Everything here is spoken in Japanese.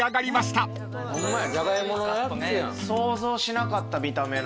想像しなかった見た目の。